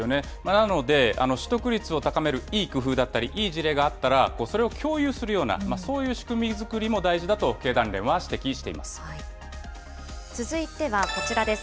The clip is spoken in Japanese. なので、取得率を高めるいい工夫だったり、いい事例があったら、それを共有するような、そういう仕組み作りも大事だと経団連は指摘していま続いてはこちらです。